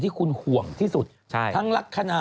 ที่คุณห่วงที่สุดทั้งลักษณะ